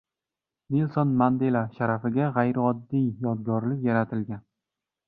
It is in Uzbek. Nelson Mandela sharafiga g‘ayrioddiy yodgorlik yaratilgan